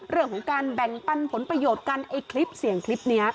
เรื่องของการแบ่งปันผลประโยชน์กันไอ้คลิปเสียงคลิปนี้